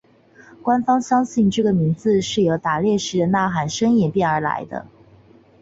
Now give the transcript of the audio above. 官方相信这个名字是由打猎时的呐喊声演变而来。